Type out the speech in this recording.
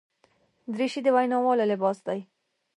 دریشي د ویناوالو لباس دی.